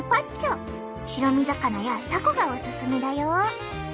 白身魚やタコがおすすめだよ。